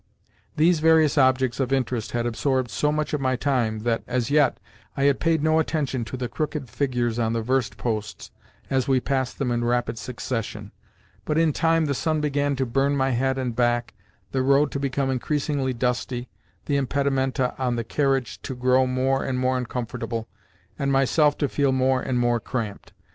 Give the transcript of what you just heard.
These various objects of interest had absorbed so much of my time that, as yet, I had paid no attention to the crooked figures on the verst posts as we passed them in rapid succession; but in time the sun began to burn my head and back, the road to become increasingly dusty, the impedimenta in the carriage to grow more and more uncomfortable, and myself to feel more and more cramped.